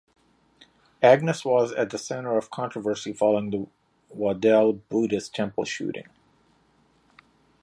Agnos was at the center of controversy following the Waddell Buddhist temple shooting.